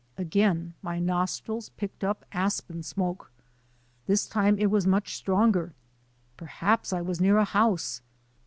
Again my nostrils picked up aspen smoke. This time it was much stronger. Per haps I was near a house!